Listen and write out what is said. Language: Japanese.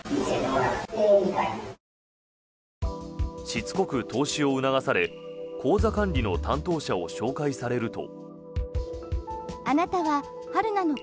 しつこく投資を促され口座管理の担当者を紹介されると。